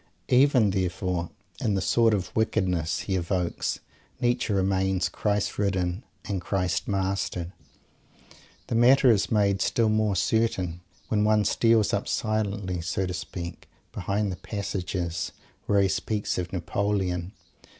Even, therefore, in the sort of "wickedness" he evokes, Nietzsche remains Christ ridden and Christ mastered. The matter is made still more certain when one steals up silently, so to speak, behind the passages where he speaks of Napoleon.